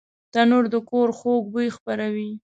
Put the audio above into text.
تنور د کور خوږ بوی خپروي